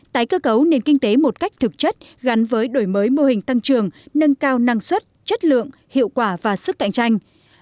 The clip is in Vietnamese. tái cơ cấu nền kinh tế một cách thực chất gắn với đổi mới mô hình tăng trường nâng cao năng suất chất lượng hiệu quả và sức cạnh tranh